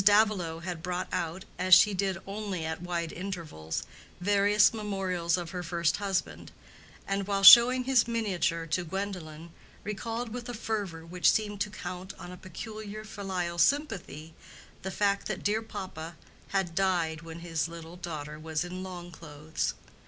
Davilow had brought out, as she did only at wide intervals, various memorials of her first husband, and while showing his miniature to Gwendolen recalled with a fervor which seemed to count on a peculiar filial sympathy, the fact that dear papa had died when his little daughter was in long clothes.